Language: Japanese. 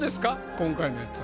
今回のやつは。